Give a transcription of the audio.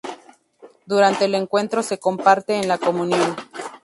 Durante el encuentro se comparte en la comunión.